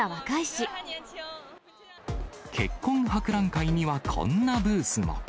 結婚博覧会にはこんなブースも。